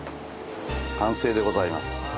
完成でございます。